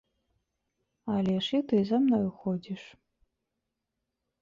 Але ж і ты за мною ходзіш.